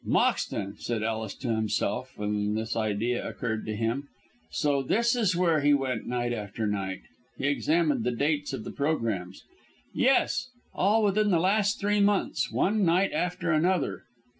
"Moxton!" said Ellis to himself, when this idea occurred to him. "So this is where he went night after night." He examined the dates of the programmes. "Yes! all within the last three months, one night after another.